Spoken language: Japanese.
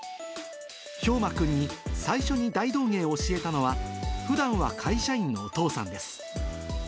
兵真君に最初に大道芸を教えたのは、ふだんは会社員のお父さんです。